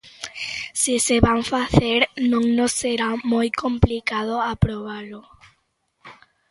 Se se van facer, non nos será moi complicado aprobalo.